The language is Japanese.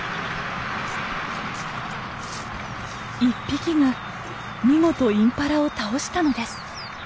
１匹が見事インパラを倒したのです。